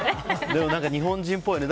でも日本人っぽいね。